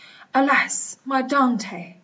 Alas ! my Dante !